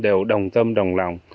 đều đồng tâm đồng lòng